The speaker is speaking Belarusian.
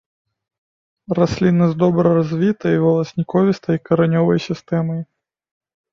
Расліна з добра развітай валасніковістай каранёвай сістэмай.